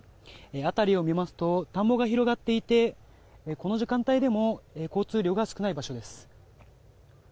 辺りを見ますと田んぼが広がっていてこの時間帯でも交通量が少ない場所です。